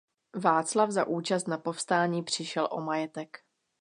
Václav za účast na povstání přišel o majetek.